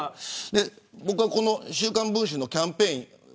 僕はこの週刊文春のキャンペーン